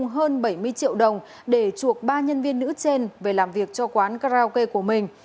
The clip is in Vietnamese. nguyễn thị nhung đã đưa cho nguyễn thị nhung hơn bảy đồng để chuộc ba nhân viên nữ trên về làm việc cho quán karaoke của mình